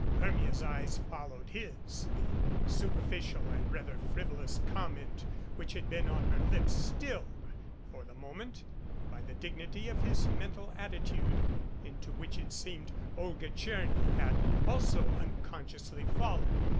Hermia's eyes followed his, the superficial and rather frivolous comment which had been on her lips stilled for the moment by the dignity of his mental attitude, into which it seemed Olga Tcherny had also unconsciously fallen.